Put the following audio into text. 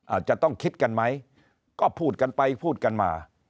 อาจจะต้องคิดกันไหมก็พูดกันไปพูดกันมา